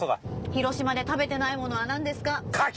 広島で食べてないものはなんですか？